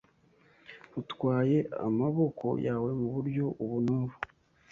utwaye amaboko yawe mu buryo ubu n'ubu